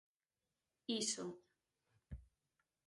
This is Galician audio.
_Iso.